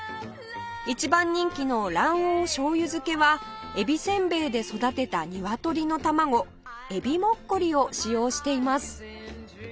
一番人気の卵黄醤油漬けはえびせんべいで育てたニワトリの卵海老もっこりを使用しています